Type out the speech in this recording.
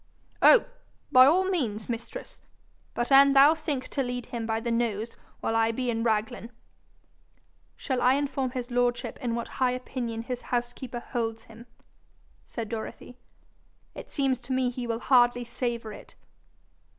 'Oh, by all means, mistress! but an' thou think to lead him by the nose while I be in Raglan, ' 'Shall I inform his lordship in what high opinion his housekeeper holds him?' said Dorothy. 'It seems to me he will hardly savour it.'